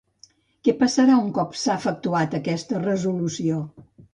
Què passarà un cop s'ha efectuat aquesta resolució?